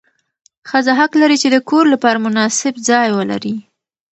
ښځه حق لري چې د کور لپاره مناسب ځای ولري.